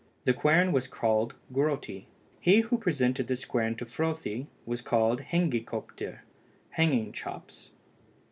The quern was called Grotti. He who presented this quern to Frothi was called Hengikioptr (hanging chops).